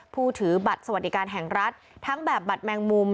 ผู้ถือบัตรสวัสดิการแห่งรัฐทั้งแบบบัตรแมงมุม